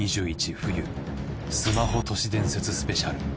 冬スマホ都市伝説スペシャル」。